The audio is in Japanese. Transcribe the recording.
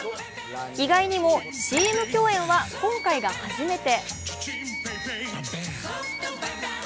意外にもＣＭ共演は今回が初めて。